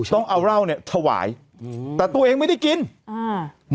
ต้องเอาเหล้าเนี้ยถวายอืมแต่ตัวเองไม่ได้กินอ่า